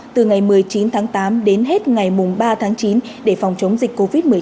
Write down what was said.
từ ngày một mươi chín tháng tám đến hết ngày ba tháng chín để phòng chống dịch covid một mươi chín